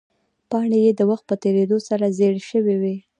پاڼې یې د وخت په تېرېدو سره زیړې شوې وې.